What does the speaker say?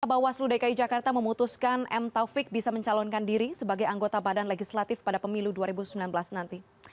bawaslu dki jakarta memutuskan m taufik bisa mencalonkan diri sebagai anggota badan legislatif pada pemilu dua ribu sembilan belas nanti